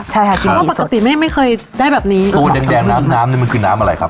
ใช่ค่ะกิมจิสดปกติไม่เคยได้แบบนี้ตัวแดงน้ำนี้คือน้ำอะไรครับ